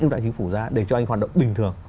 ưu đãi của chính phủ ra để cho anh hoạt động bình thường